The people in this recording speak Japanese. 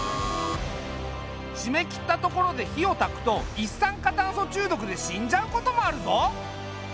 閉めきった所で火をたくと一酸化炭素中毒で死んじゃうこともあるぞ。